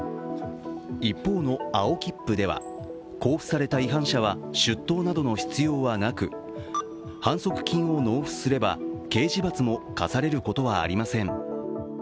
一方の青切符では交付された違反者は出頭などの必要はなく反則金を納付すれば、刑事罰も科されることはありません。